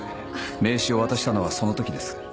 名刺を渡したのはその時です。